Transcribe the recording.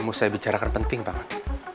mau saya bicarakan penting banget